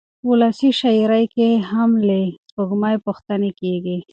په ولسي شاعرۍ کې هم له سپوږمۍ پوښتنې کېږي.